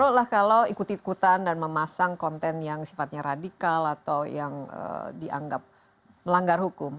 kalau ikut ikutan dan memasang konten yang sifatnya radikal atau yang dianggap melanggar hukum